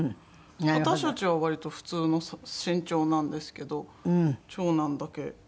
私たちは割と普通の身長なんですけど長男だけ。